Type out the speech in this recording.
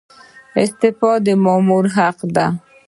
استعفا د مامور حق دی